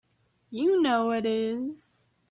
You know it is!